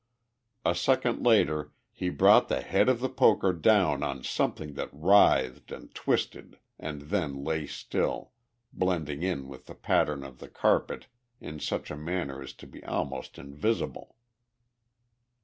A second later he brought the head of the poker down on something that writhed and twisted and then lay still, blending in with the pattern of the carpet in such a manner as to be almost invisible.